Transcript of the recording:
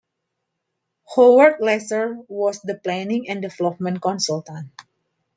Howard Lesser was the planning and development consultant.